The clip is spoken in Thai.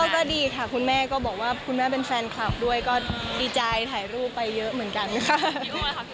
ก็ดีค่ะคุณแม่ก็บอกว่าคุณแม่เป็นแฟนคลับด้วยก็ดีใจถ่ายรูปไปเยอะเหมือนกันค่ะ